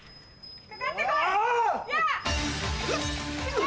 かかってこい！